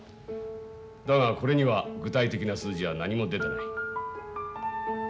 だがこれには具体的な数字は何も出てない。